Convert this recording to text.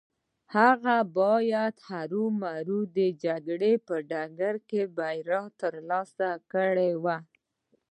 هغه بايد هرو مرو د جګړې په ډګر کې بريا ترلاسه کړې وای.